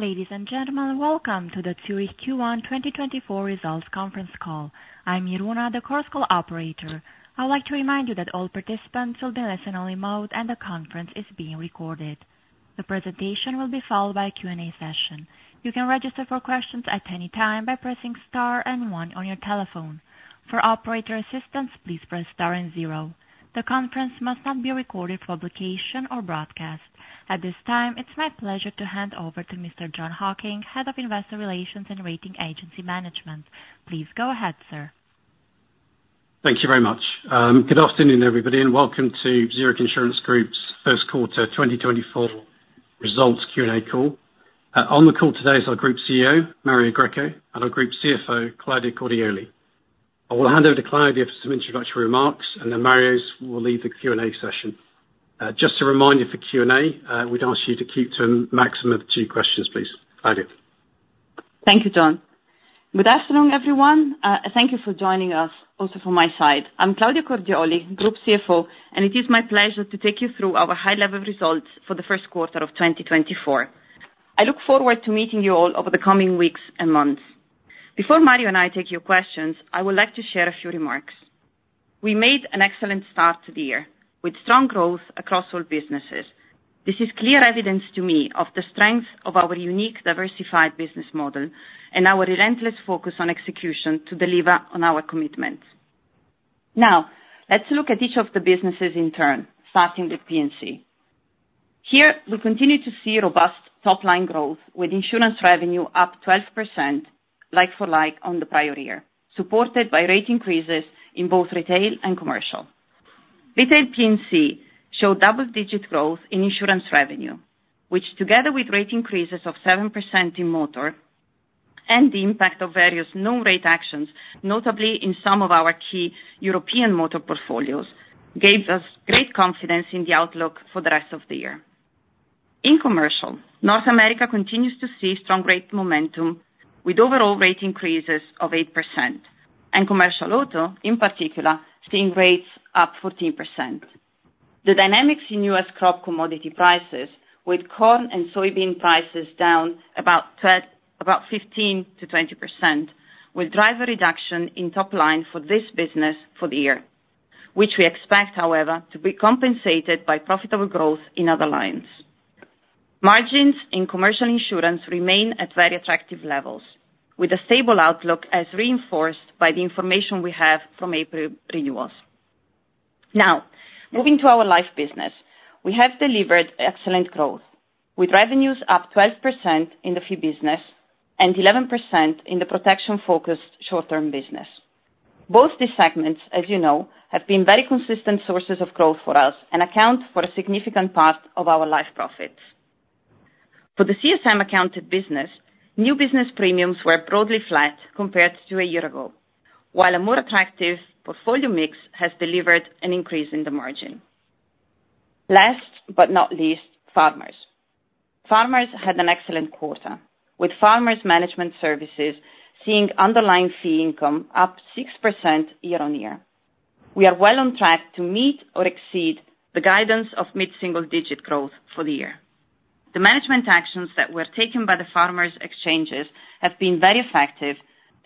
Ladies and gentlemen, welcome to the Zurich Q1 2024 results conference call. I'm Iruna, the Chorus Call operator. I would like to remind you that all participants will be in listen-only mode, and the conference is being recorded. The presentation will be followed by a Q&A session. You can register for questions at any time by pressing star and one on your telephone. For operator assistance, please press star and zero. The conference must not be recorded for publication or broadcast. At this time, it's my pleasure to hand over to Mr. Jon Hocking, Head of Investor Relations and Rating Agency Management. Please go ahead, sir. Thank you very much. Good afternoon, everybody, and welcome to Zurich Insurance Group's first quarter 2024 results Q&A call. On the call today is our Group CEO, Mario Greco, and our Group CFO, Claudia Cordioli. I will hand over to Claudia for some introductory remarks, and then Mario will lead the Q&A session. Just a reminder for Q&A, we'd ask you to keep to a maximum of two questions, please. Claudia? Thank you, Jon. Good afternoon, everyone. Thank you for joining us, also from my side. I'm Claudia Cordioli, Group CFO, and it is my pleasure to take you through our high-level results for the first quarter of 2024. I look forward to meeting you all over the coming weeks and months. Before Mario and I take your questions, I would like to share a few remarks. We made an excellent start to the year, with strong growth across all businesses. This is clear evidence to me of the strength of our unique, diversified business model and our relentless focus on execution to deliver on our commitments. Now, let's look at each of the businesses in turn, starting with P&C. Here, we continue to see robust top-line growth, with insurance revenue up 12% like for like on the prior year, supported by rate increases in both retail and commercial. Retail P&C showed double-digit growth in insurance revenue, which together with rate increases of 7% in motor and the impact of various non-rate actions, notably in some of our key European motor portfolios, gave us great confidence in the outlook for the rest of the year. In commercial, North America continues to see strong rate momentum, with overall rate increases of 8%, and commercial auto in particular, seeing rates up 14%. The dynamics in U.S. crop commodity prices, with corn and soybean prices down about 15%-20%, will drive a reduction in top line for this business for the year, which we expect, however, to be compensated by profitable growth in other lines. Margins in commercial insurance remain at very attractive levels, with a stable outlook as reinforced by the information we have from April renewals. Now, moving to our life business. We have delivered excellent growth, with revenues up 12% in the fee business and 11% in the protection-focused short-term business. Both these segments, as you know, have been very consistent sources of growth for us and account for a significant part of our life profits. For the CSM accounted business, new business premiums were broadly flat compared to a year ago, while a more attractive portfolio mix has delivered an increase in the margin. Last but not least, Farmers. Farmers had an excellent quarter, with Farmers Management Services seeing underlying fee income up 6% year-on-year. We are well on track to meet or exceed the guidance of mid-single-digit growth for the year. The management actions that were taken by the Farmers Exchanges have been very effective,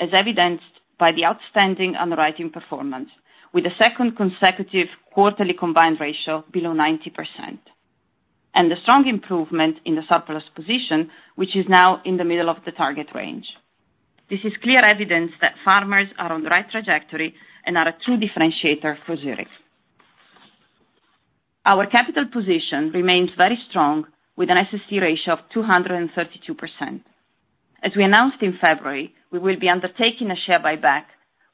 as evidenced by the outstanding underwriting performance, with the second consecutive quarterly combined ratio below 90%, and the strong improvement in the surplus position, which is now in the middle of the target range. This is clear evidence that Farmers are on the right trajectory and are a true differentiator for Zurich. Our capital position remains very strong, with an SST ratio of 232%. As we announced in February, we will be undertaking a share buyback,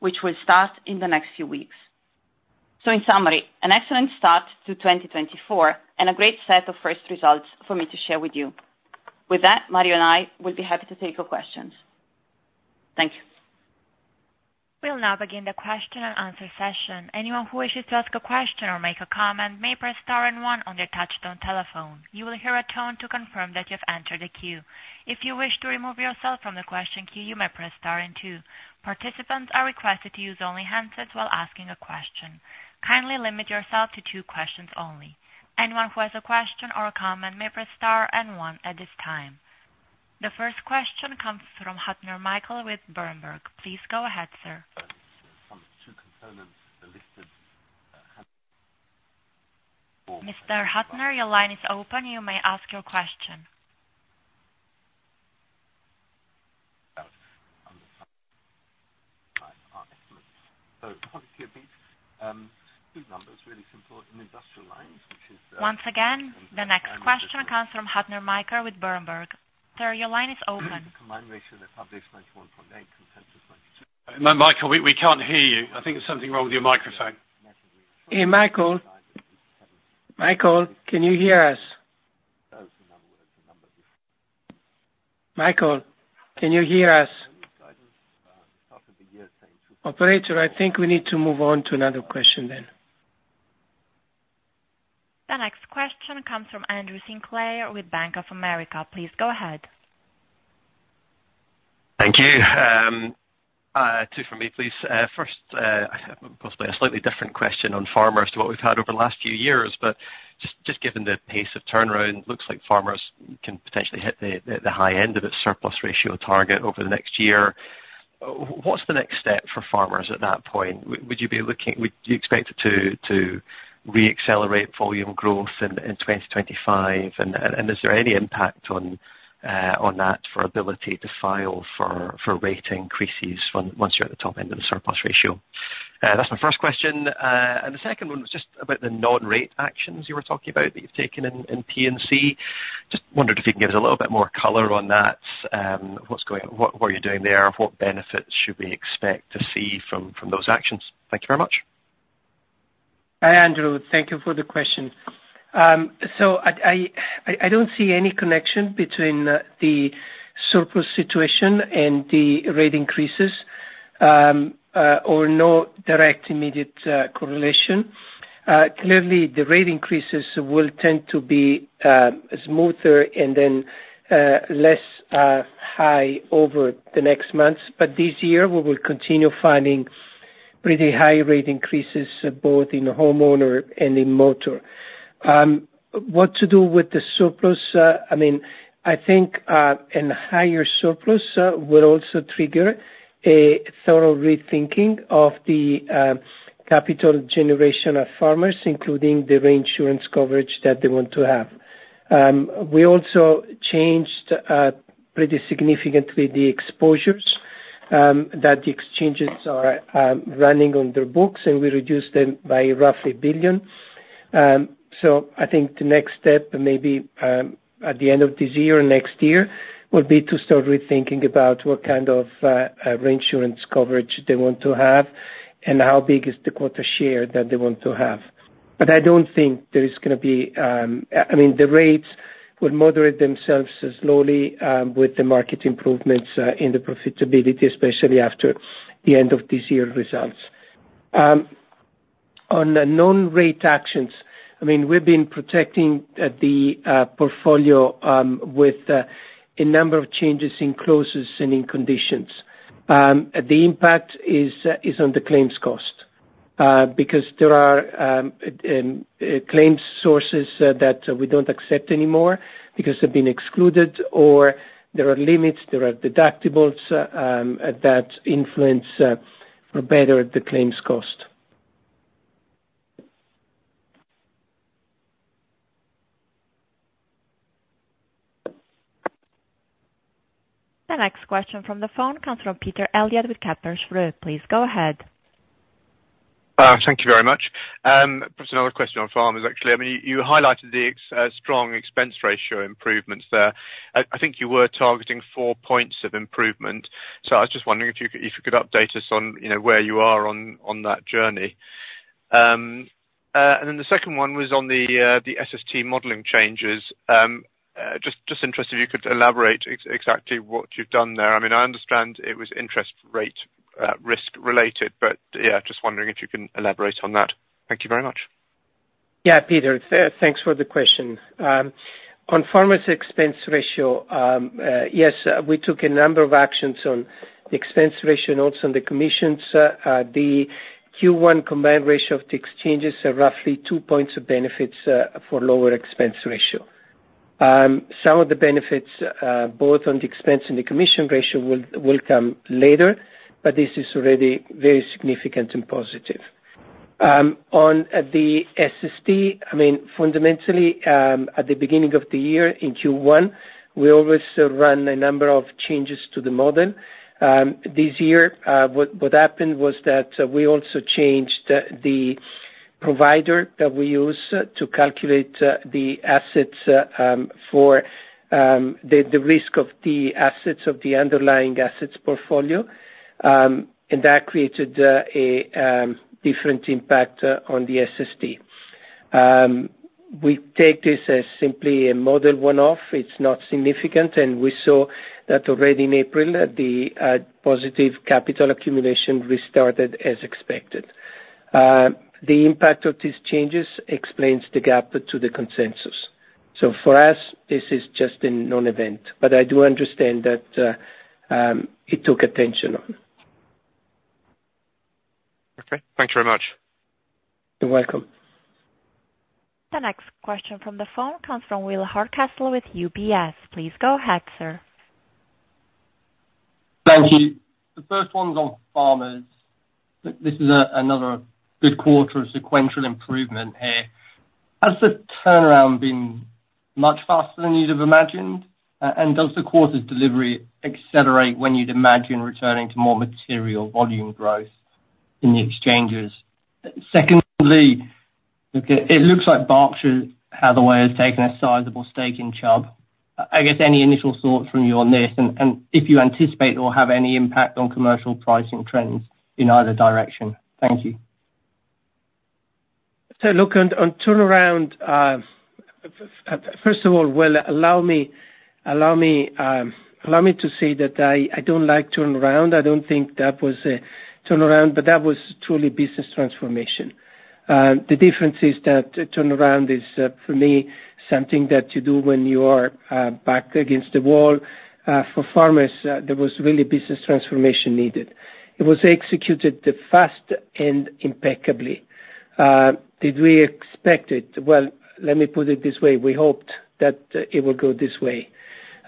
which will start in the next few weeks. So in summary, an excellent start to 2024 and a great set of first results for me to share with you. With that, Mario and I will be happy to take your questions. Thank you. We'll now begin the question and answer session. Anyone who wishes to ask a question or make a comment may press star and one on their touchtone telephone. You will hear a tone to confirm that you've entered the queue. If you wish to remove yourself from the question queue, you may press star and two. Participants are requested to use only handsets while asking a question. Kindly limit yourself to two questions only. Anyone who has a question or a comment may press star and one at this time. The first question comes from Michael Huttner with Berenberg. Please go ahead, sir. ... Some of the two components are listed. Mr. Huttner, your line is open. You may ask your question. Excellent. So obviously, two numbers, really simple in industrial lines, which is, Once again, the next question comes from Michael Huttner with Berenberg. Sir, your line is open. Combined ratio, they published 91.8%, consensus 92%. Michael, we can't hear you. I think there's something wrong with your microphone. Hey, Michael. Michael, can you hear us? That was the number. Michael, can you hear us? Half of the year saying- Operator, I think we need to move on to another question then. The next question comes from Andrew Sinclair with Bank of America. Please go ahead.... Thank you. Two for me, please. First, possibly a slightly different question on Farmers to what we've had over the last few years, but just given the pace of turnaround, looks like Farmers can potentially hit the high end of its surplus ratio target over the next year. What's the next step for Farmers at that point? Would you expect it to re-accelerate volume growth in 2025? And is there any impact on that for ability to file for rate increases once you're at the top end of the surplus ratio? That's my first question. And the second one was just about the non-rate actions you were talking about that you've taken in P&C. Just wondered if you could give us a little bit more color on that. What's going... What are you doing there? What benefits should we expect to see from those actions? Thank you very much. Hi, Andrew. Thank you for the question. So I don't see any connection between the surplus situation and the rate increases, or no direct immediate correlation. Clearly, the rate increases will tend to be smoother and then less high over the next months, but this year we will continue finding pretty high rate increases, both in the homeowner and in motor. What to do with the surplus, I mean, I think, in higher surplus will also trigger a thorough rethinking of the capital generation of Farmers, including the reinsurance coverage that they want to have. We also changed pretty significantly the exposures that the exchanges are running on their books, and we reduced them by roughly billion. So I think the next step, maybe, at the end of this year or next year, will be to start rethinking about what kind of reinsurance coverage they want to have, and how big is the quota share that they want to have. But I don't think there is gonna be. I mean, the rates will moderate themselves slowly, with the market improvements in the profitability, especially after the end of this year results. On the non-rate actions, I mean, we've been protecting the portfolio with a number of changes in clauses and in conditions. The impact is on the claims cost, because there are claims sources that we don't accept anymore because they've been excluded, or there are limits, there are deductibles that influence, or better the claims cost. The next question from the phone comes from Peter Eliot with Kepler Cheuvreux. Please, go ahead. Thank you very much. Just another question on Farmers, actually. I mean, you highlighted the strong expense ratio improvements there. I think you were targeting four points of improvement, so I was just wondering if you could update us on, you know, where you are on that journey. And then the second one was on the SST modeling changes. Just interested if you could elaborate exactly what you've done there. I mean, I understand it was interest rate risk related, but yeah, just wondering if you can elaborate on that. Thank you very much. Yeah, Peter, thanks for the question. On Farmers expense ratio, yes, we took a number of actions on the expense ratio, and also on the commissions. The Q1 combined ratio of the exchanges are roughly 2 points of benefits for lower expense ratio. Some of the benefits, both on the expense and the commission ratio will come later, but this is already very significant and positive. On the SST, I mean, fundamentally, at the beginning of the year, in Q1, we always run a number of changes to the model. This year, what happened was that we also changed the provider that we use to calculate the assets for the risk of the assets of the underlying assets portfolio, and that created a different impact on the SST. We take this as simply a model one-off. It's not significant, and we saw that already in April, that the positive capital accumulation restarted as expected. The impact of these changes explains the gap to the consensus. So for us, this is just a non-event, but I do understand that it took attention on. Okay. Thanks very much. You're welcome. The next question from the phone comes from William Hardcastle with UBS. Please go ahead, sir. Thank you. The first one's on Farmers. This is another good quarter of sequential improvement here. Has the turnaround been much faster than you'd have imagined? And does the quarter's delivery accelerate when you'd imagine returning to more material volume growth in the exchanges? Secondly, okay, it looks like Berkshire Hathaway has taken a sizable stake in Chubb. I guess any initial thoughts from you on this, and if you anticipate it'll have any impact on commercial pricing trends in either direction? Thank you. So look, on turnaround, first of all, well, allow me to say that I don't like turnaround. I don't think that was a turnaround, but that was truly business transformation. The difference is that the turnaround is, for me, something that you do when you are back against the wall. For Farmers, there was really business transformation needed. It was executed fast and impeccably. Did we expect it? Well, let me put it this way: we hoped that it would go this way.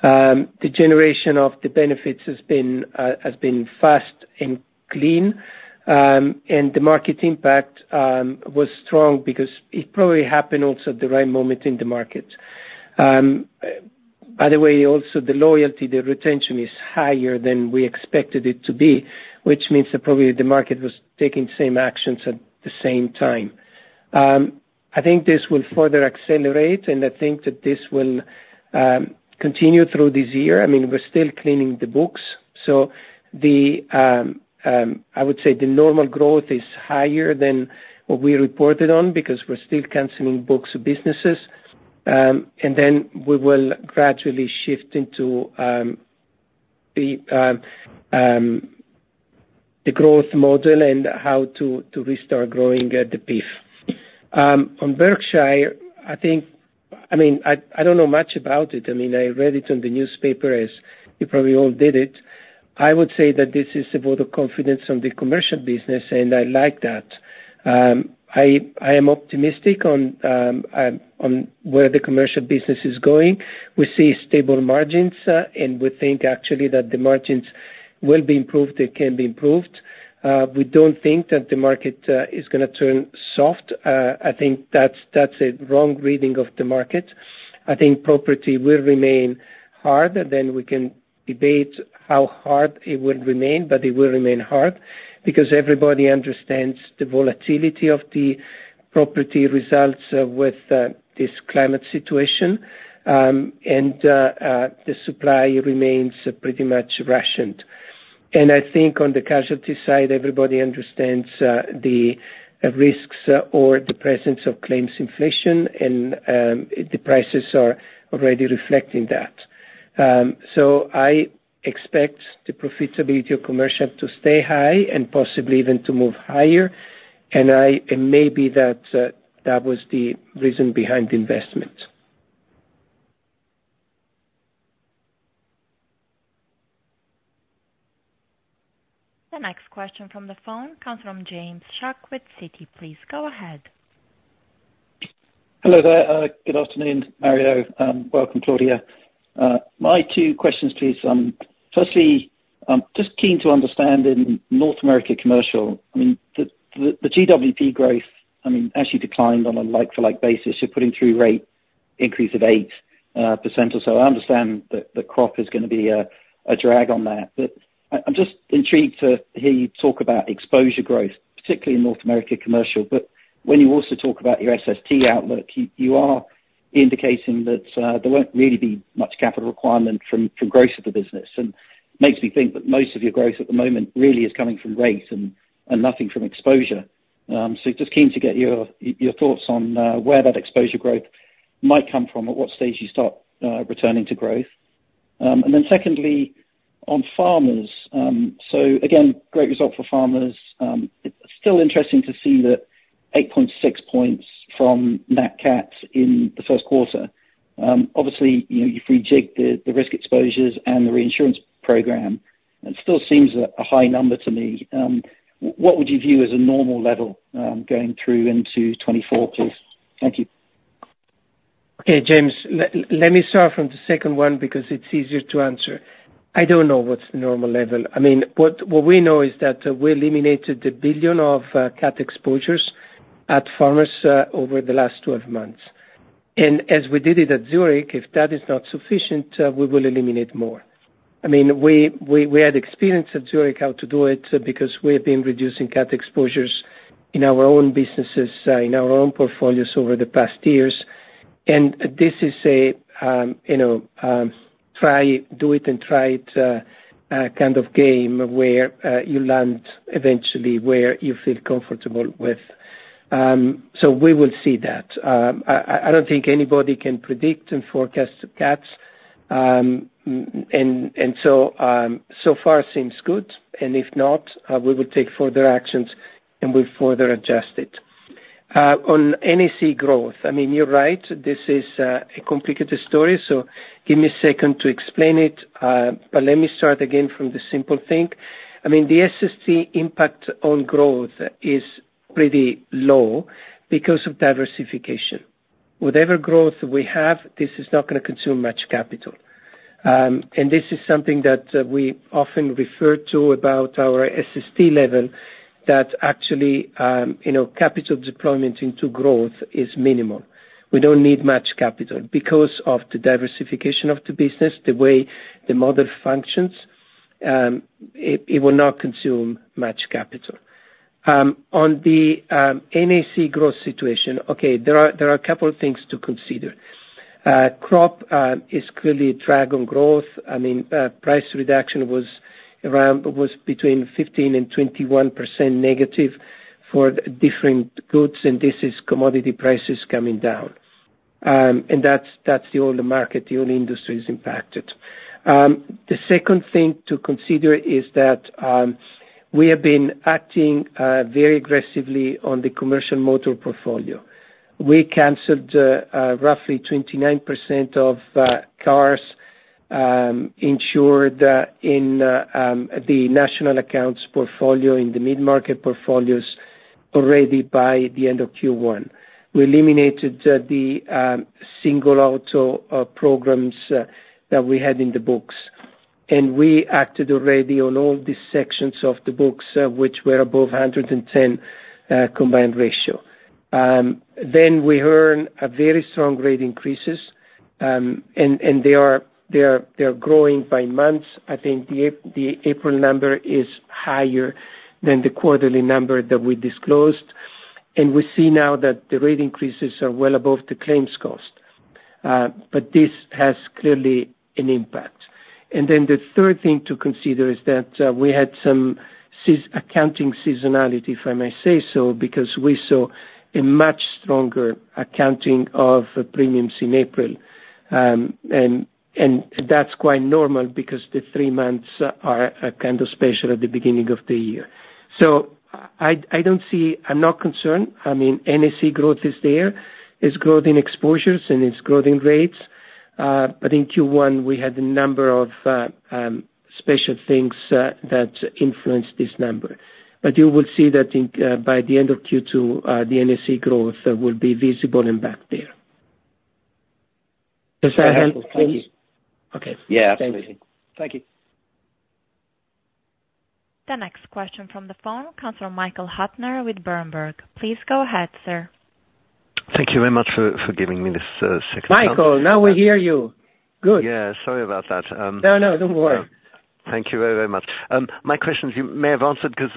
The generation of the benefits has been fast and clean, and the market impact was strong because it probably happened also at the right moment in the market. By the way, also the loyalty, the retention is higher than we expected it to be, which means that probably the market was taking the same actions at the same time. I think this will further accelerate, and I think that this will continue through this year. I mean, we're still cleaning the books, so the, I would say the normal growth is higher than what we reported on, because we're still canceling books of businesses, and then we will gradually shift into the growth model and how to restart growing the PIF. On Berkshire, I think, I mean, I don't know much about it. I mean, I read it in the newspaper, as you probably all did it. I would say that this is a vote of confidence on the commercial business, and I like that. I am optimistic on where the commercial business is going. We see stable margins, and we think actually that the margins will be improved. They can be improved. We don't think that the market is gonna turn soft. I think that's a wrong reading of the market. I think property will remain hard, and then we can debate how hard it would remain, but it will remain hard because everybody understands the volatility of the property results with this climate situation, and the supply remains pretty much rationed. I think on the casualty side, everybody understands the risks or the presence of claims inflation, and the prices are already reflecting that. So, I expect the profitability of commercial to stay high and possibly even to move higher, and I... And maybe that, that was the reason behind the investment. The next question from the phone comes from James Shuck with Citi. Please go ahead. Hello there. Good afternoon, Mario, welcome, Claudia. My two questions to you is, firstly, I'm just keen to understand in North America Commercial, I mean, the GWP growth, I mean, actually declined on a like-for-like basis. You're putting through rate increase of 8% or so. I understand that the crop is gonna be a drag on that, but I'm just intrigued to hear you talk about exposure growth, particularly in North America Commercial. But when you also talk about your SST outlook, you are indicating that there won't really be much capital requirement from growth of the business. And makes me think that most of your growth at the moment really is coming from rate and nothing from exposure. So just keen to get your thoughts on where that exposure growth might come from, at what stage you start returning to growth. And then secondly, on Farmers, so again, great result for Farmers. It's still interesting to see that 8.6 points from nat cats in the first quarter. Obviously, you know, you rejig the risk exposures and the reinsurance program, it still seems a high number to me. What would you view as a normal level going through into 2024, please? Thank you. Okay, James. Let me start from the second one, because it's easier to answer. I don't know what's the normal level. I mean, what we know is that we eliminated $1 billion of cat exposures at Farmers over the last 12 months. And as we did it at Zurich, if that is not sufficient, we will eliminate more. I mean, we had experience at Zurich how to do it, because we have been reducing cat exposures in our own businesses in our own portfolios over the past years. And this is a, you know, try, do it and try it kind of game, where you land eventually where you feel comfortable with. So we will see that. I don't think anybody can predict and forecast cats. So far seems good, and if not, we will take further actions and we'll further adjust it. On NAC growth, I mean, you're right, this is a complicated story, so give me a second to explain it. But let me start again from the simple thing. I mean, the SST impact on growth is pretty low because of diversification. Whatever growth we have, this is not gonna consume much capital. And this is something that we often refer to about our SST level, that actually, you know, capital deployment into growth is minimal. We don't need much capital. Because of the diversification of the business, the way the model functions, it will not consume much capital. On the NAC growth situation, okay, there are a couple of things to consider. Crop is clearly a drag on growth. I mean, price reduction was around, was between 15%-21% negative for different goods, and this is commodity prices coming down. And that's, that's the only market, the only industry impacted. The second thing to consider is that we have been acting very aggressively on the commercial motor portfolio. We canceled roughly 29% of cars insured in the national accounts portfolio, in the mid-market portfolios already by the end of Q1. We eliminated the single auto programs that we had in the books, and we acted already on all the sections of the books which were above 110 combined ratio. Then we earn a very strong rate increases, and they are growing by months. I think the April number is higher than the quarterly number that we disclosed, and we see now that the rate increases are well above the claims cost. But this has clearly an impact. And then the third thing to consider is that, we had some seasonal accounting seasonality, if I may say so, because we saw a much stronger accounting of the premiums in April. And that's quite normal because the three months are kind of special at the beginning of the year. So I don't see... I'm not concerned. I mean, NAC growth is there. There's growth in exposures, and there's growth in rates, but in Q1 we had a number of special things that influenced this number. But you will see that in, by the end of Q2, the NAC growth will be visible and back there. Does that help? Thank you. Okay. Yeah, absolutely. Thank you. The next question from the phone comes from Michael Huttner with Berenberg. Please go ahead, sir. Thank you very much for giving me this second time. Michael, now we hear you. Good. Yeah, sorry about that. No, no, don't worry. Thank you very, very much. My questions you may have answered, because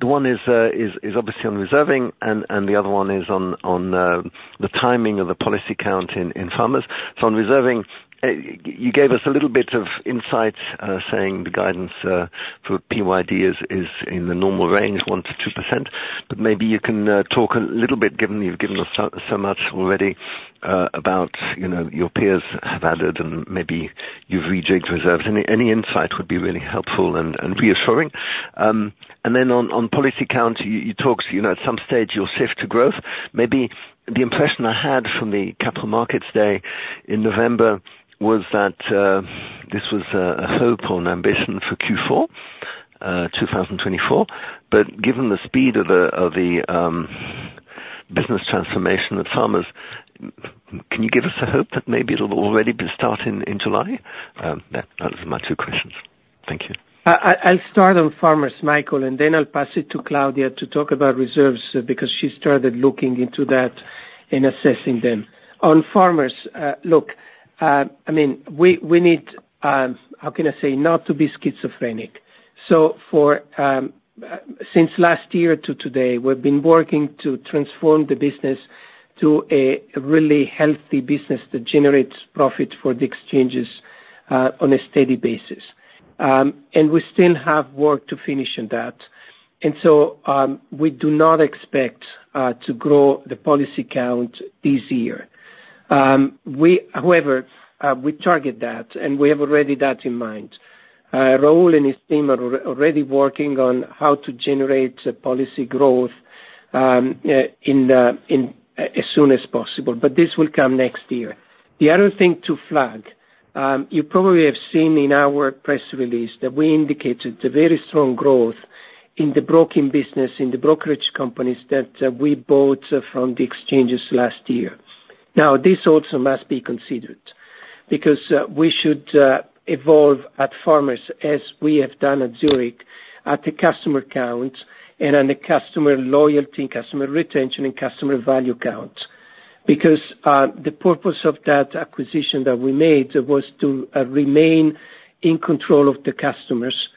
the one is obviously on reserving, and the other one is on the timing of the policy count in Farmers. So on reserving, you gave us a little bit of insight, saying the guidance for PYD is in the normal range, 1%-2%. But maybe you can talk a little bit, given you've given us so much already, about, you know, your peers have added, and maybe you've rejigged reserves. Any insight would be really helpful and reassuring. And then on policy count, you talked, you know, at some stage your shift to growth. Maybe the impression I had from the capital markets day in November was that this was a hope or an ambition for Q4 2024. But given the speed of the business transformation at Farmers, can you give us a hope that maybe it'll already be starting in July? Yeah, those are my two questions. Thank you. I'll start on Farmers, Michael, and then I'll pass it to Claudia to talk about reserves, because she started looking into that and assessing them. On Farmers, look, I mean, we need, how can I say, not to be schizophrenic. So, since last year to today, we've been working to transform the business to a really healthy business that generates profit for the exchanges, on a steady basis. And we still have work to finish on that. And so, we do not expect to grow the policy count this year. We, however, target that, and we have already that in mind. Raul and his team are already working on how to generate policy growth, as soon as possible, but this will come next year. The other thing to flag, you probably have seen in our press release that we indicated a very strong growth in the broking business, in the brokerage companies that we bought from the exchanges last year. Now, this also must be considered because we should evolve at Farmers, as we have done at Zurich, at the customer count and on the customer loyalty and customer retention and customer value count. Because the purpose of that acquisition that we made was to remain in control of the customers,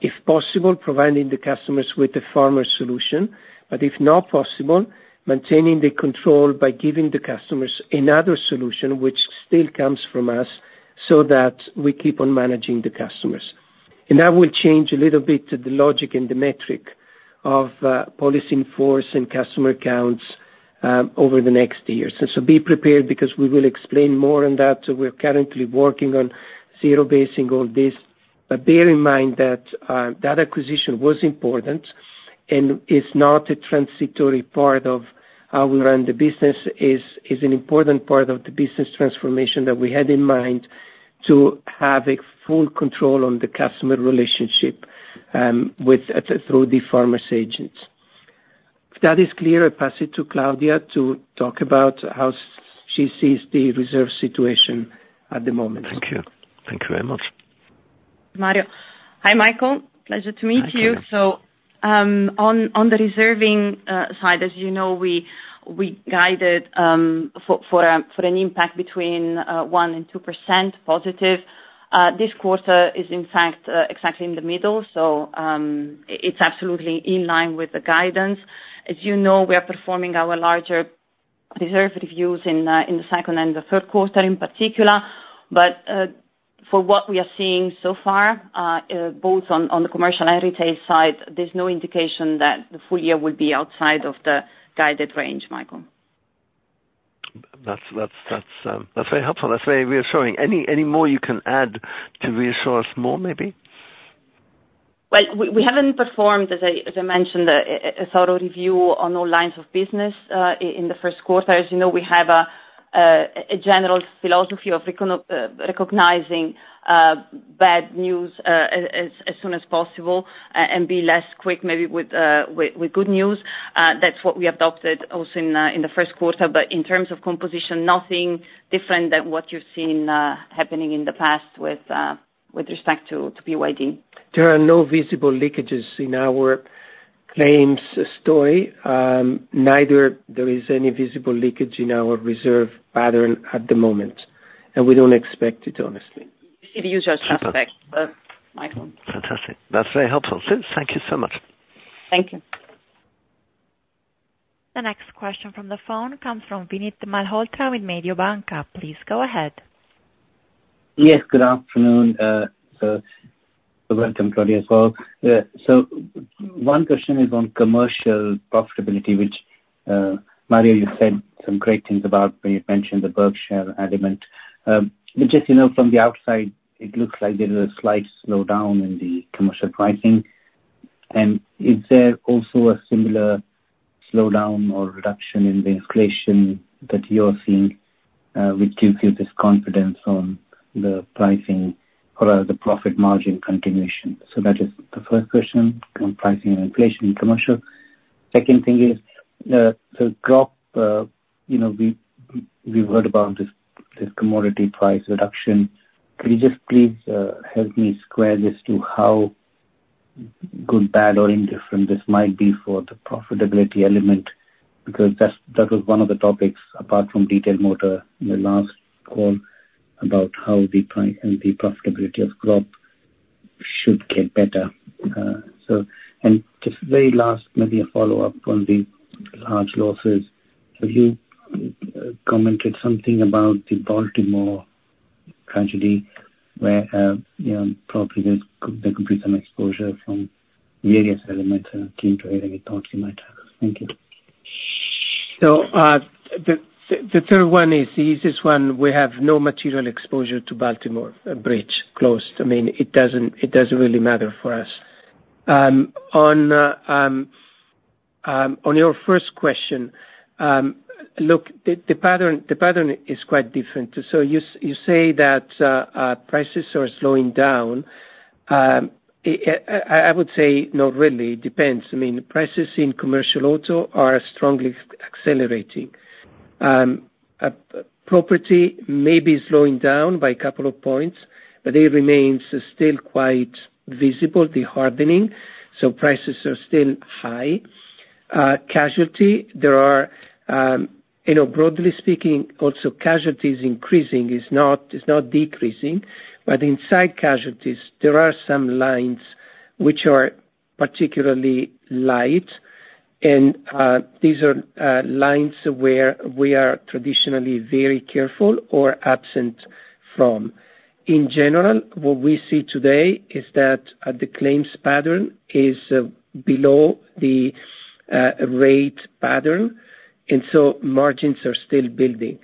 if possible, providing the customers with the Farmers solution. But if not possible, maintaining the control by giving the customers another solution, which still comes from us, so that we keep on managing the customers. That will change a little bit, the logic and the metric of policy in force and customer counts over the next years. So be prepared, because we will explain more on that. We're currently working on zero-basing all this. But bear in mind that that acquisition was important and is not a transitory part of how we run the business. It's, it's an important part of the business transformation that we had in mind to have a full control on the customer relationship with through the Farmers' agents. If that is clear, I pass it to Claudia to talk about how she sees the reserve situation at the moment. Thank you. Thank you very much. Hi, Michael. Pleasure to meet you. Thank you. So, on the reserving side, as you know, we guided for an impact between 1% and 2% positive. This quarter is in fact exactly in the middle, so it's absolutely in line with the guidance. As you know, we are performing our larger reserve reviews in the second and the third quarter in particular, but. For what we are seeing so far, both on the commercial heritage side, there's no indication that the full year will be outside of the guided range, Michael. That's very helpful. That's very reassuring. Any more you can add to reassure us more, maybe? Well, we haven't performed, as I mentioned, a thorough review on all lines of business in the first quarter. As you know, we have a general philosophy of recognizing bad news as soon as possible and be less quick, maybe, with good news. That's what we adopted also in the first quarter. But in terms of composition, nothing different than what you've seen happening in the past with respect to PYD. There are no visible leakages in our claims story, neither there is any visible leakage in our reserve pattern at the moment, and we don't expect it, honestly. You see the usual suspects, Michael. Fantastic. That's very helpful. Thank you so much. Thank you. The next question from the phone comes from Vinit Malhotra with Mediobanca. Please go ahead. Yes, good afternoon, so welcome, Claudia, as well. So one question is on commercial profitability, which, Mario, you said some great things about when you mentioned the Berkshire element. But just, you know, from the outside, it looks like there is a slight slowdown in the commercial pricing. And is there also a similar slowdown or reduction in the inflation that you're seeing, which gives you this confidence on the pricing or, the profit margin continuation? So that is the first question on pricing and inflation in commercial. Second thing is, so crop, you know, we've heard about this commodity price reduction. Can you just please, help me square this to how good, bad, or indifferent this might be for the profitability element? Because that's, that was one of the topics, apart from detailed motor, in the last call about how the price and the profitability of crop should get better. So, and just very last, maybe a follow-up on the large losses. So you commented something about the Baltimore tragedy, where, you know, probably there could be some exposure from various elements and comment on it, and any thoughts you might have. Thank you. So, the third one is the easiest one. We have no material exposure to Baltimore Bridge collapse. I mean, it doesn't really matter for us. On your first question, look, the pattern is quite different. So you say that prices are slowing down. I would say not really, it depends. I mean, prices in commercial auto are strongly accelerating. Property may be slowing down by a couple of points, but it remains still quite visible, the hardening, so prices are still high. Casualty, there are, you know, broadly speaking, also casualty is increasing, it's not decreasing. But inside casualties, there are some lines which are particularly light, and these are lines where we are traditionally very careful or absent from. In general, what we see today is that the claims pattern is below the rate pattern, and so margins are still building.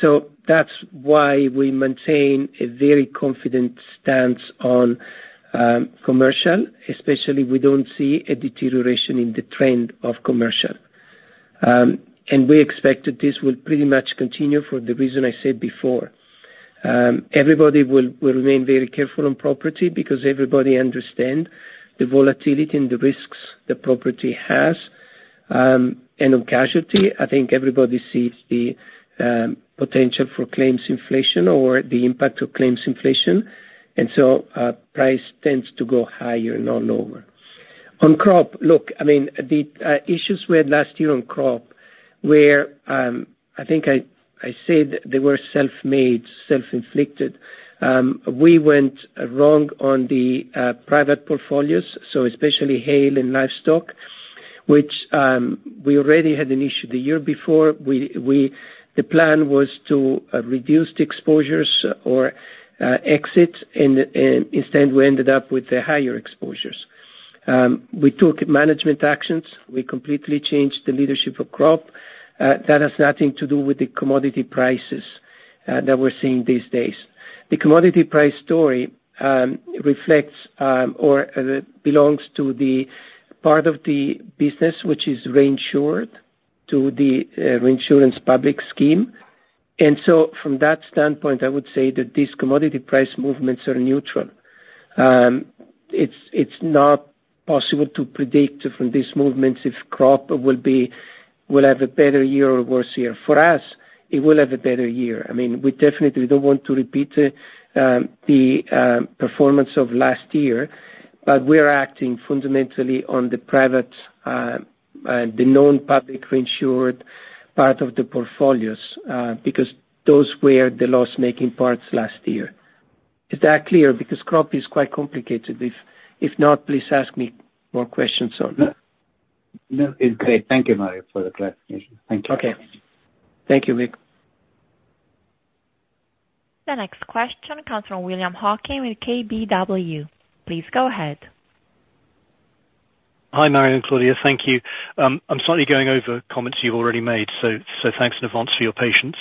So that's why we maintain a very confident stance on commercial, especially we don't see a deterioration in the trend of commercial. And we expect that this will pretty much continue for the reason I said before. Everybody will remain very careful on property because everybody understand the volatility and the risks the property has. And on casualty, I think everybody sees the potential for claims inflation or the impact of claims inflation, and so price tends to go higher, not lower. On crop, look, I mean, the issues we had last year on crop were. I think I said they were self-made, self-inflicted. We went wrong on the private portfolios, so especially hail and livestock, which we already had an issue the year before. The plan was to reduce the exposures or exit, and instead, we ended up with the higher exposures. We took management actions. We completely changed the leadership of crop. That has nothing to do with the commodity prices that we're seeing these days. The commodity price story reflects or belongs to the part of the business, which is reinsured to the reinsurance public scheme. And so from that standpoint, I would say that these commodity price movements are neutral. It's not possible to predict from these movements if crop will have a better year or worse year. For us, it will have a better year. I mean, we definitely don't want to repeat the performance of last year, but we are acting fundamentally on the private, the known public reinsured part of the portfolios, because those were the loss-making parts last year. Is that clear? Because crop is quite complicated. If not, please ask me more questions on that.... No, it's great. Thank you, Mario, for the clarification. Thank you. Okay. Thank you, Vic. The next question comes from William Hawkins with KBW. Please go ahead. Hi, Mario and Claudia. Thank you. I'm slightly going over comments you've already made, so thanks in advance for your patience.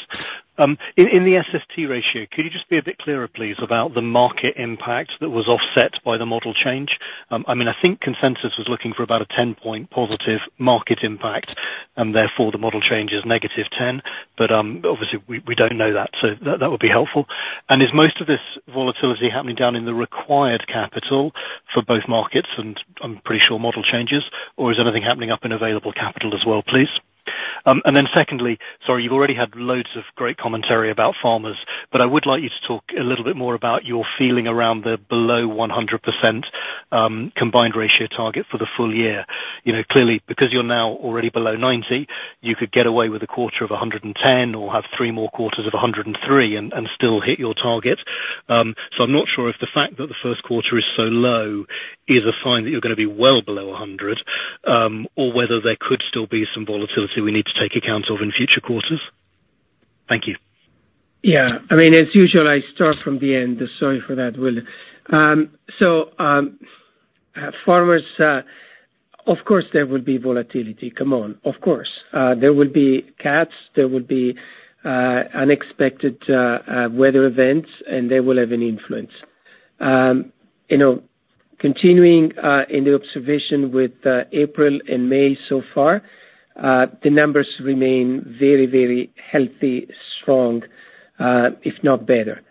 In the SST ratio, could you just be a bit clearer, please, about the market impact that was offset by the model change? I mean, I think consensus was looking for about a 10-point positive market impact, and therefore, the model change is negative 10. But obviously, we don't know that, so that would be helpful. And is most of this volatility happening down in the required capital for both markets, and I'm pretty sure model changes, or is there anything happening up in available capital as well, please? And then secondly, sorry, you've already had loads of great commentary about farmers, but I would like you to talk a little bit more about your feeling around the below 100% combined ratio target for the full year. You know, clearly, because you're now already below 90%, you could get away with a quarter of 110 or have three more quarters of 103 and still hit your target. So I'm not sure if the fact that the first quarter is so low is a sign that you're gonna be well below 100, or whether there could still be some volatility we need to take account of in future quarters. Thank you. Yeah. I mean, as usual, I start from the end. Sorry for that, William. So, Farmers, of course, there will be volatility. Come on, of course. There will be cats, there will be unexpected weather events, and they will have an influence. You know, continuing in the observation with April and May so far, the numbers remain very, very healthy, strong, if not better.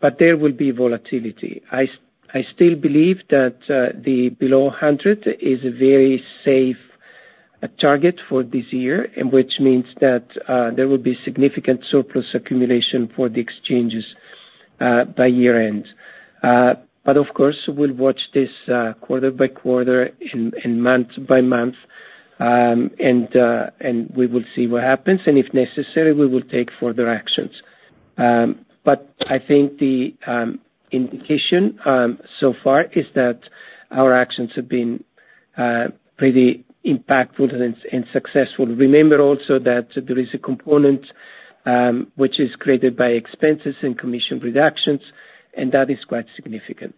But there will be volatility. I still believe that the below 100 is a very safe target for this year, and which means that there will be significant surplus accumulation for the exchanges by year-end. But of course, we'll watch this quarter by quarter and month by month, and we will see what happens, and if necessary, we will take further actions. But I think the indication so far is that our actions have been pretty impactful and successful. Remember also that there is a component which is created by expenses and commission reductions, and that is quite significant.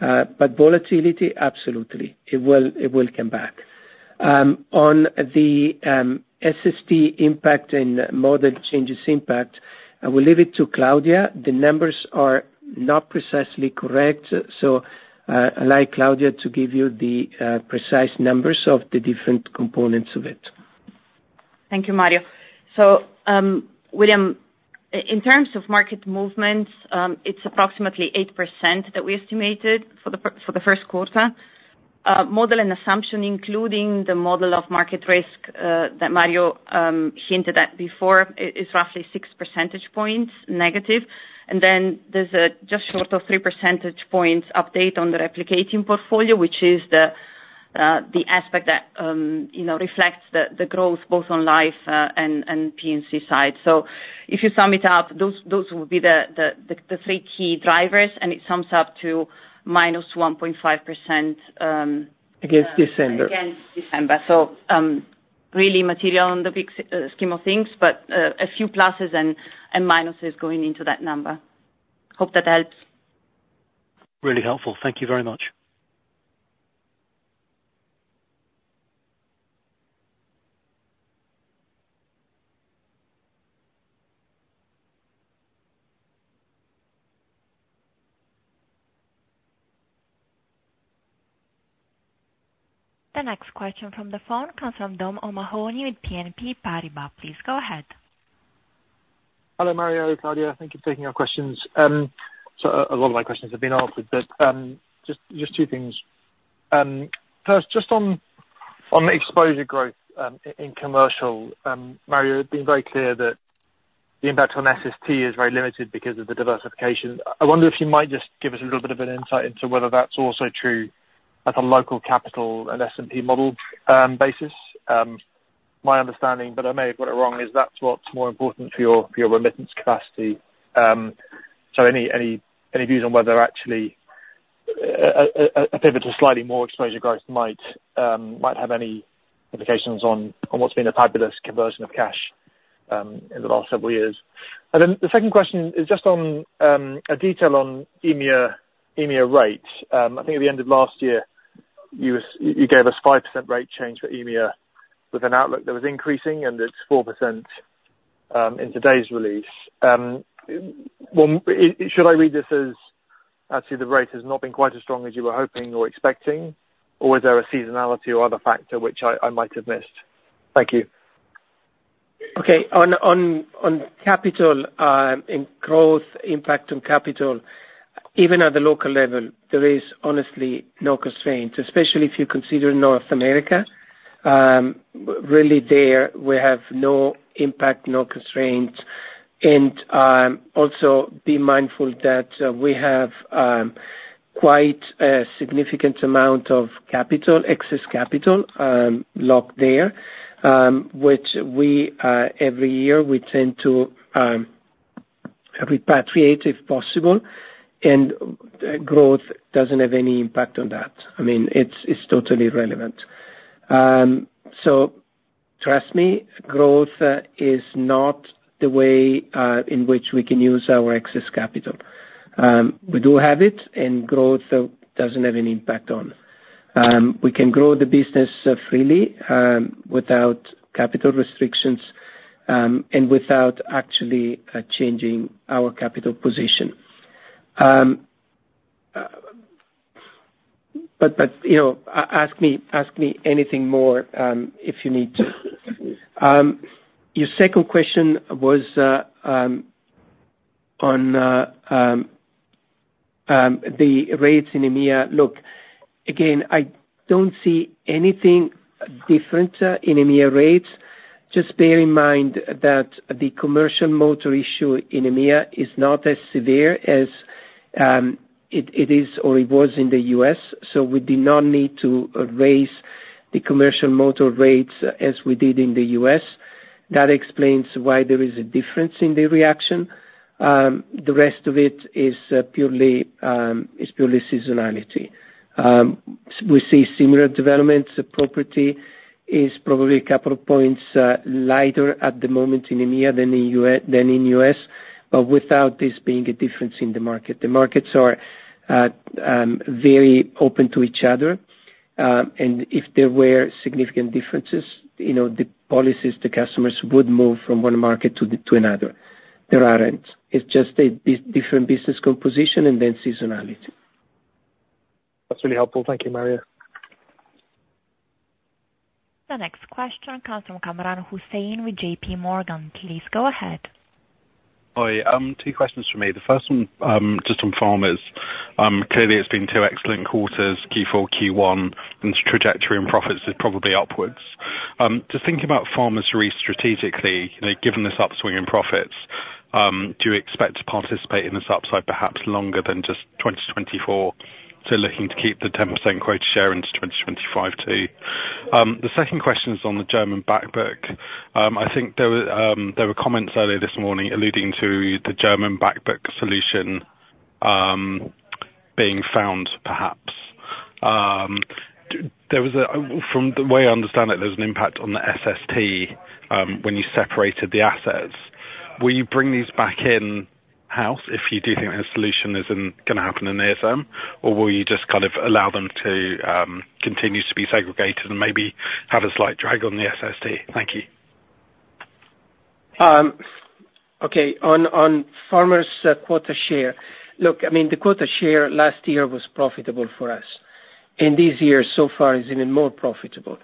But volatility, absolutely, it will come back. On the SST impact and model changes impact, I will leave it to Claudia. The numbers are not precisely correct, so I'll allow Claudia to give you the precise numbers of the different components of it. Thank you, Mario. So, William, in terms of market movements, it's approximately 8% that we estimated for the first quarter. Model and assumption, including the model of market risk, that Mario hinted at before, is roughly 6 percentage points negative. And then there's a just short of 3 percentage points update on the replicating portfolio, which is the aspect that, you know, reflects the growth both on life and PNC side. So if you sum it up, those will be the three key drivers, and it sums up to -1.5%, Against December. Against December. So, really material on the big scheme of things, but a few pluses and minuses going into that number. Hope that helps. Really helpful. Thank you very much. The next question from the phone comes from Dom O'Mahony with BNP Paribas. Please go ahead. Hello, Mario, Claudia. Thank you for taking our questions. So a lot of my questions have been answered, but just two things. First, just on exposure growth in commercial, Mario, you've been very clear that the impact on SST is very limited because of the diversification. I wonder if you might just give us a little bit of an insight into whether that's also true at a local capital and S&P model basis. My understanding, but I may have got it wrong, is that's what's more important for your remittance capacity. So any views on whether actually a pivot to slightly more exposure growth might have any implications on what's been a fabulous conversion of cash in the last several years? Then the second question is just on a detail on EMEA, EMEA rates. I think at the end of last year, you gave us 5% rate change for EMEA with an outlook that was increasing, and it's 4% in today's release. Well, should I read this as actually the rate has not been quite as strong as you were hoping or expecting, or is there a seasonality or other factor which I might have missed? Thank you. Okay. On capital, and growth impact on capital, even at the local level, there is honestly no constraints, especially if you consider North America. Really there, we have no impact, no constraints. And, also be mindful that, we have, quite a significant amount of capital, excess capital, locked there, which we, every year we tend to repatriate if possible, and growth doesn't have any impact on that. I mean, it's totally irrelevant. So trust me, growth is not the way in which we can use our excess capital. We do have it, and growth doesn't have any impact on. We can grow the business, freely, without capital restrictions, and without actually changing our capital position. But, but, you know, ask me, ask me anything more, if you need to. Your second question was on the rates in EMEA. Look, again, I don't see anything different in EMEA rates. Just bear in mind that the commercial motor issue in EMEA is not as severe as it is or it was in the U.S., so we did not need to raise the commercial motor rates as we did in the U.S. That explains why there is a difference in the reaction. The rest of it is purely seasonality. We see similar developments. Property is probably a couple of points lighter at the moment in EMEA than in U.S., but without this being a difference in the market. The markets are very open to each other, and if there were significant differences, you know, the policies, the customers would move from one market to another. There aren't. It's just a different business composition and then seasonality. That's really helpful. Thank you, Mario. The next question comes from Kamran Hossain with JPMorgan. Please go ahead. Hi. Two questions from me. The first one, just on Farmers is, clearly it's been two excellent quarters, Q4, Q1, and the trajectory in profits is probably upwards. Just thinking about Farmers strategically, you know, given this upswing in profits, do you expect to participate in this upside perhaps longer than just 2024? So looking to keep the 10% quota share into 2025, too. The second question is on the German back book. I think there were, there were comments earlier this morning alluding to the German back book solution, being found, perhaps. From the way I understand it, there was an impact on the SST, when you separated the assets. Will you bring these back in-house if you do think a solution isn't gonna happen in the ASM? Or will you just kind of allow them to continue to be segregated and maybe have a slight drag on the SST? Thank you. Okay, on Farmers', quota share. Look, I mean, the quota share last year was profitable for us, and this year so far is even more profitable.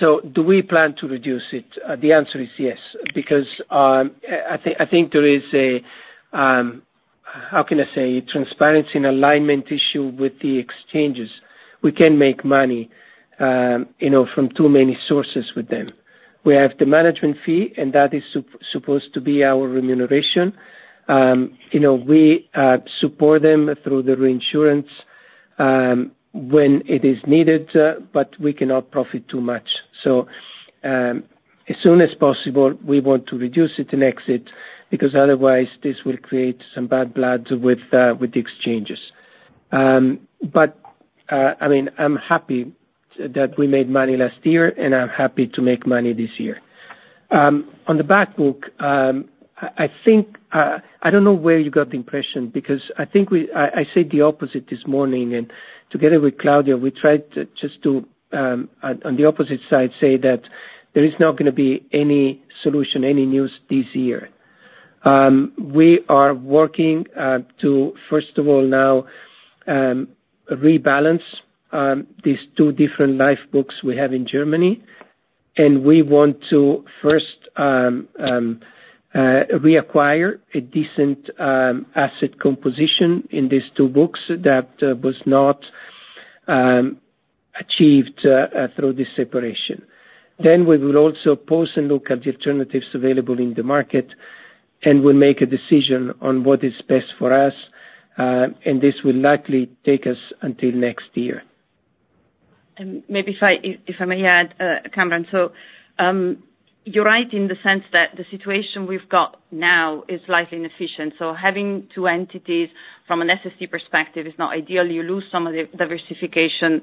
So do we plan to reduce it? The answer is yes, because, I think, I think there is a, how can I say, transparency and alignment issue with the exchanges. We can make money, you know, from too many sources with them. We have the management fee, and that is supposed to be our remuneration. You know, we support them through the reinsurance, when it is needed, but we cannot profit too much. So, as soon as possible, we want to reduce it and exit, because otherwise this will create some bad blood with, with the exchanges. But, I mean, I'm happy that we made money last year, and I'm happy to make money this year. On the back book, I think... I don't know where you got the impression, because I think we said the opposite this morning, and together with Claudia, we tried just to, on the opposite side, say that there is not gonna be any solution, any news this year. We are working to first of all, now, rebalance these two different life books we have in Germany, and we want to first reacquire a decent asset composition in these two books that was not achieved through the separation. Then we will also pause and look at the alternatives available in the market, and we'll make a decision on what is best for us, and this will likely take us until next year. And maybe if I may add, Kamran, so, you're right in the sense that the situation we've got now is slightly inefficient. So having two entities from an SST perspective is not ideal. You lose some of the diversification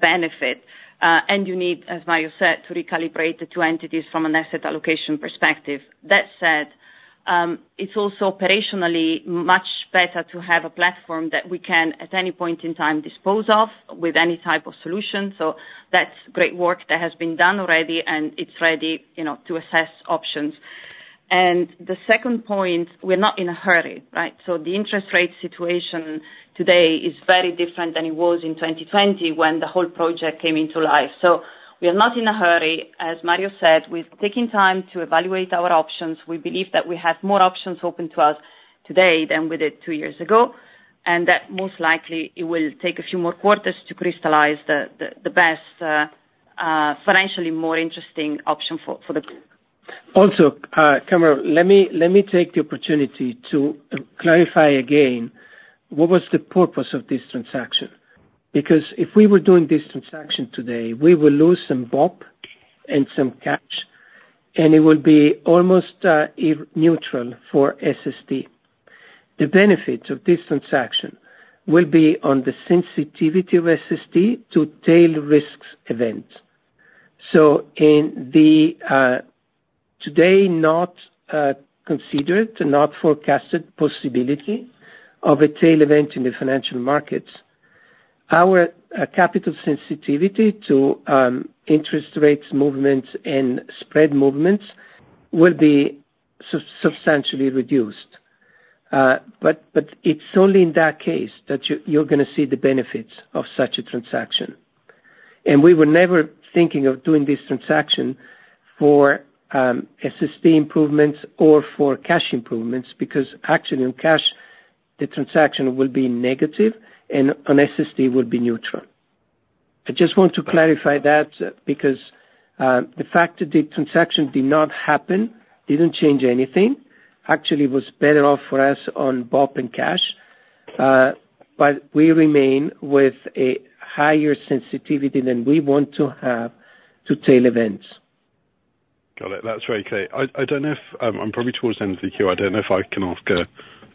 benefit, and you need, as Mario said, to recalibrate the two entities from an asset allocation perspective. That said, it's also operationally much better to have a platform that we can, at any point in time, dispose of with any type of solution. So that's great work that has been done already, and it's ready, you know, to assess options. And the second point, we're not in a hurry, right? So the interest rate situation today is very different than it was in 2020, when the whole project came into life. So we are not in a hurry. As Mario said, we're taking time to evaluate our options. We believe that we have more options open to us today than we did two years ago, and that most likely it will take a few more quarters to crystallize the best, financially more interesting option for the group. Also, Kamran, let me take the opportunity to clarify again, what was the purpose of this transaction? Because if we were doing this transaction today, we would lose some BOP and some cash, and it will be almost neutral for SST. The benefits of this transaction will be on the sensitivity of SST to tail risks event. So in the today, not considered, not forecasted possibility of a tail event in the financial markets, our capital sensitivity to interest rates movements and spread movements will be substantially reduced. But it's only in that case that you're gonna see the benefits of such a transaction. And we were never thinking of doing this transaction for SST improvements or for cash improvements, because actually in cash, the transaction will be negative and on SST will be neutral. I just want to clarify that because the fact that the transaction did not happen didn't change anything. Actually, it was better off for us on BOP and cash, but we remain with a higher sensitivity than we want to have to tail events. Got it. That's very clear. I, I don't know if, I'm probably toward the end of the queue. I don't know if I can ask a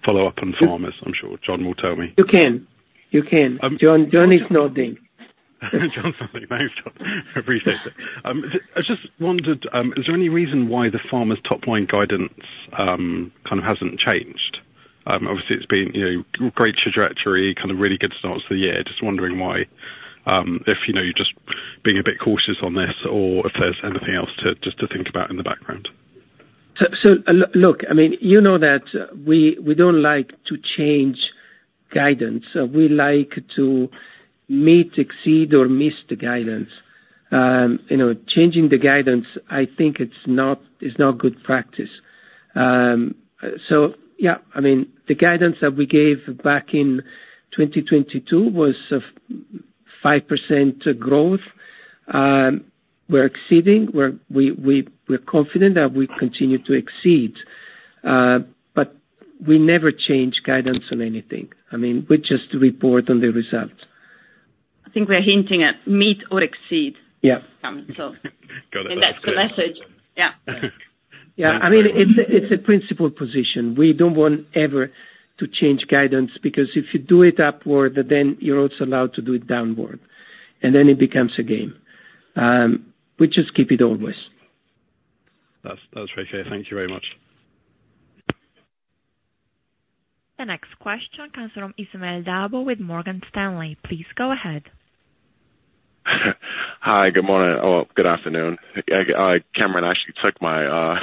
follow-up on Farmers. I'm sure Jon will tell me. You can. You can. Um- Jon, John is nodding. Jon's nodding. Thanks, Jon. I appreciate that. I just wondered, is there any reason why the Farmers' top line guidance, kind of hasn't changed? Obviously it's been, you know, great trajectory, kind of really good start to the year. Just wondering why, if, you know, you're just being a bit cautious on this or if there's anything else to, just to think about in the background. Look, I mean, you know that we, we don't like to change guidance. We like to meet, exceed, or miss the guidance. You know, changing the guidance, I think it's not, it's not good practice. So yeah, I mean, the guidance that we gave back in 2022 was of 5% growth. We're exceeding, we're, we, we, we're confident that we continue to exceed, but we never change guidance on anything. I mean, we just report on the results. I think we're hinting at meet or exceed. Yeah. Um, so. Got it. That's the message. Yeah. Yeah, I mean, it's a principle position. We don't want ever to change guidance, because if you do it upward, then you're also allowed to do it downward, and then it becomes a game. We just keep it always. That's very clear. Thank you very much. The next question comes from Ismail Belhachmi with Morgan Stanley. Please go ahead. Hi, good morning. Oh, good afternoon. Cameron actually took my,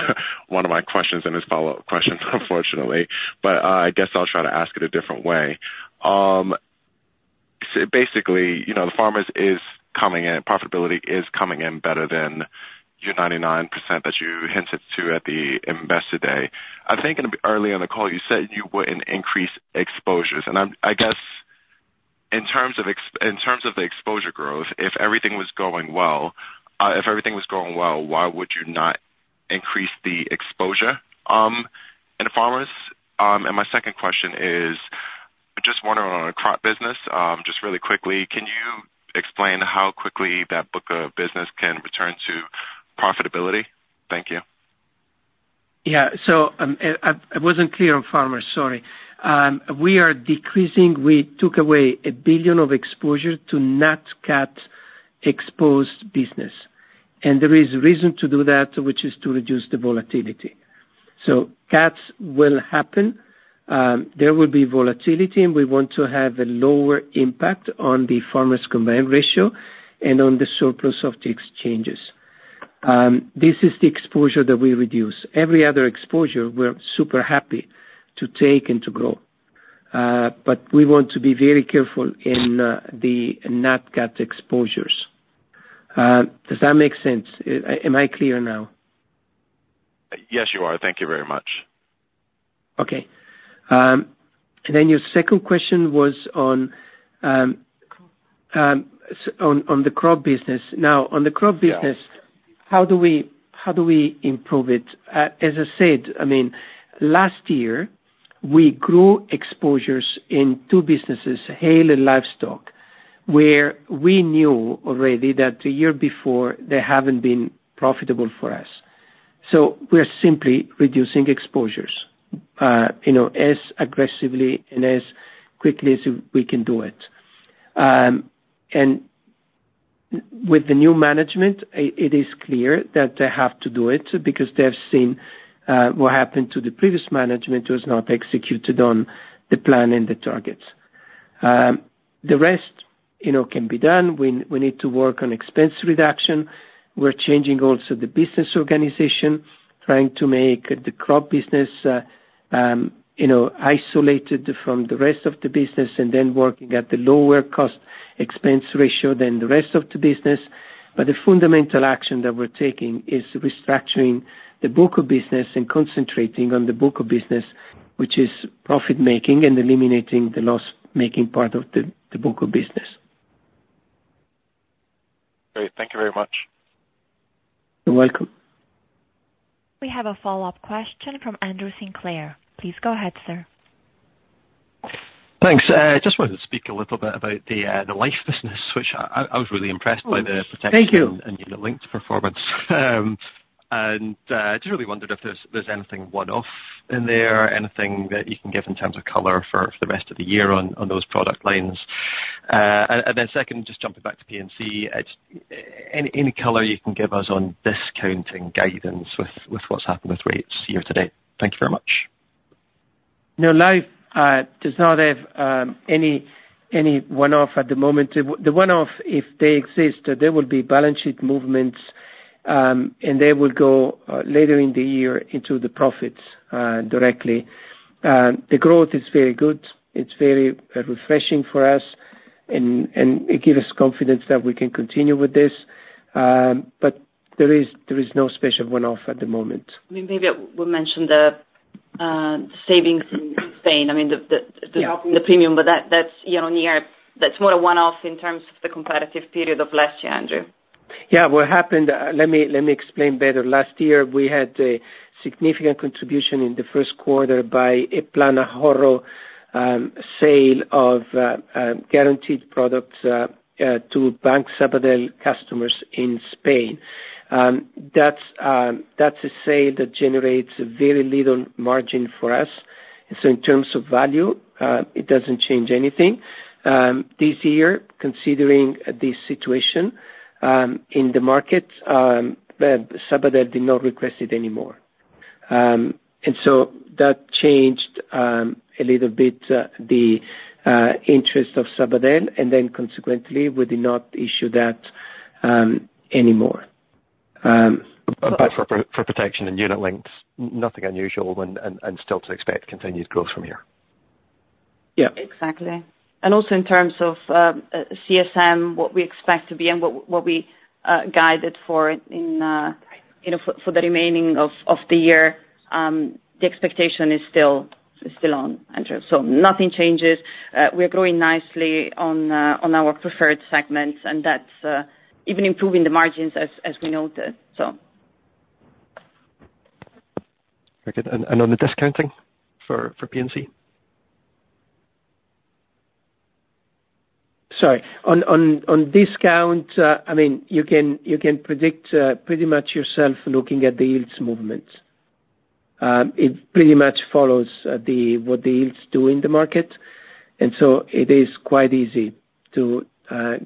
one of my questions in his follow-up question, unfortunately, but, I guess I'll try to ask it a different way. So basically, you know, the Farmers is coming in, profitability is coming in better than your 99% that you hinted to at the investor day. I think in, early on the call, you said you wouldn't increase exposures, and I'm... I guess, in terms of ex- in terms of the exposure growth, if everything was going well, if everything was going well, why would you not increase the exposure, in the Farmers? And my second question is, I just wonder on the crop business, just really quickly, can you explain how quickly that book of business can return to profitability? Thank you. Yeah. So, I wasn't clear on Farmers. Sorry. We are decreasing. We took away $1 billion of exposure to net cats exposed business, and there is reason to do that, which is to reduce the volatility. So cats will happen. There will be volatility, and we want to have a lower impact on the Farmers' combined ratio and on the surplus of the exchanges. This is the exposure that we reduce. Every other exposure, we're super happy to take and to grow, but we want to be very careful in the net cat exposures. Does that make sense? Am I clear now? Yes, you are. Thank you very much. Okay. And then your second question was on the crop business. Now, on the crop business- Yeah. How do we improve it? As I said, I mean, last year, we grew exposures in two businesses, hail and livestock, where we knew already that the year before, they haven't been profitable for us. So we're simply reducing exposures, you know, as aggressively and as quickly as we can do it. And with the new management, it is clear that they have to do it, because they have seen what happened to the previous management, was not executed on the plan and the targets. The rest, you know, can be done. We need to work on expense reduction. We're changing also the business organization, trying to make the crop business, you know, isolated from the rest of the business, and then working at a lower cost expense ratio than the rest of the business. But the fundamental action that we're taking is restructuring the book of business and concentrating on the book of business, which is profit-making and eliminating the loss-making part of the book of business. Great. Thank you very much. You're welcome. We have a follow-up question from Andrew Sinclair. Please go ahead, sir.... Thanks. I just wanted to speak a little bit about the life business, which I was really impressed by the- Thank you! -protection and unit linked performance. And just really wondered if there's anything one-off in there, anything that you can give in terms of color for the rest of the year on those product lines? And then second, just jumping back to P&C, it's any color you can give us on discounting guidance with what's happened with rates year to date? Thank you very much. No, life does not have any one-off at the moment. The one-off, if they exist, they will be balance sheet movements, and they will go later in the year into the profits directly. The growth is very good. It's very refreshing for us and it give us confidence that we can continue with this. But there is no special one-off at the moment. I mean, maybe we'll mention the savings in Spain. I mean, the- Yeah. the premium, but that's, you know, near. That's more a one-off in terms of the competitive period of last year, Andrew. Yeah. What happened, let me, let me explain better. Last year, we had a significant contribution in the first quarter by a Plan Ahorro sale of guaranteed products to Bank Sabadell customers in Spain. That's a sale that generates very little margin for us. So in terms of value, it doesn't change anything. This year, considering the situation in the market, Sabadell did not request it anymore. And so that changed a little bit the interest of Sabadell, and then consequently, we did not issue that anymore. But for protection and unit links, nothing unusual and still to expect continued growth from here? Yeah. Exactly. And also in terms of CSM, what we expect to be and what we guided for in, you know, for the remaining of the year, the expectation is still on Andrew. So nothing changes. We're growing nicely on our preferred segments, and that's even improving the margins as we noted, so. Okay. And on the discounting for P&C? Sorry. On discount, I mean, you can predict pretty much yourself looking at the yields movements. It pretty much follows what the yields do in the market, and so it is quite easy to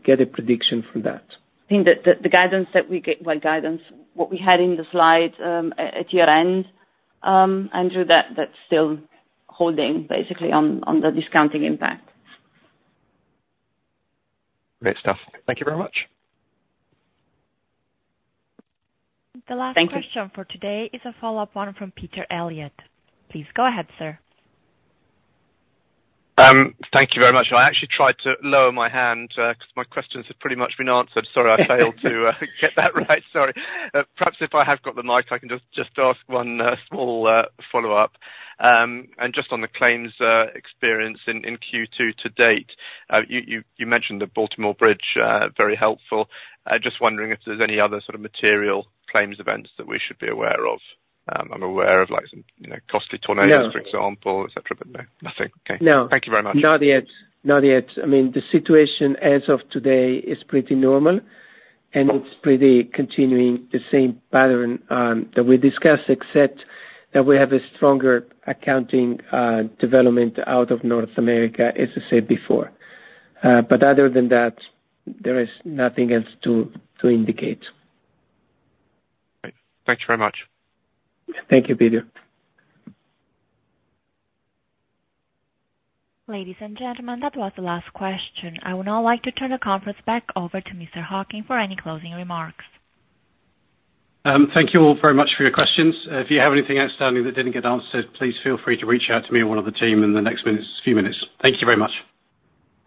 get a prediction from that. I think that the guidance that we get... Well, guidance, what we had in the slides, at year-end, Andrew, that's still holding basically on the discounting impact. Great stuff. Thank you very much! The last- Thank you Question for today is a follow-up one from Peter Eliot. Please go ahead, sir. Thank you very much. I actually tried to lower my hand, because my questions have pretty much been answered. Sorry, I failed to get that right. Sorry. Perhaps if I have got the mic, I can just ask one small follow-up. Just on the claims experience in Q2 to date, you mentioned the Baltimore Bridge, very helpful. I just wondering if there's any other sort of material claims events that we should be aware of? I'm aware of like some, you know, costly tornadoes- No. For example, et cetera, but no, nothing. Okay. No. Thank you very much. Not yet. Not yet. I mean, the situation as of today is pretty normal, and it's pretty continuing the same pattern that we discussed, except that we have a stronger accounting development out of North America, as I said before. But other than that, there is nothing else to indicate. Great. Thanks very much. Thank you, Peter. Ladies and gentlemen, that was the last question. I would now like to turn the conference back over to Mr. Hocking for any closing remarks. Thank you all very much for your questions. If you have anything outstanding that didn't get answered, please feel free to reach out to me or one of the team in the next minutes, few minutes. Thank you very much.